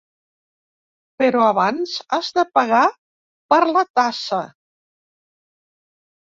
Però abans has de pagar per la tassa.